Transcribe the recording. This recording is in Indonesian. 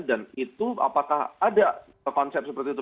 dan itu apakah ada konsep seperti itu